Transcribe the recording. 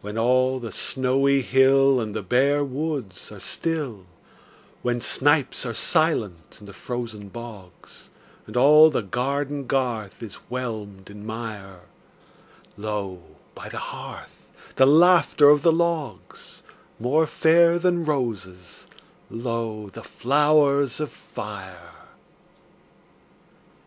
When all the snowy hill And the bare woods are still; When snipes are silent in the frozen bogs, And all the garden garth is whelmed in mire, Lo, by the hearth, the laughter of the logs— More fair than roses, lo, the flowers of fire!